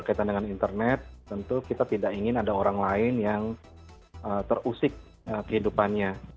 kaitan dengan internet tentu kita tidak ingin ada orang lain yang terusik kehidupannya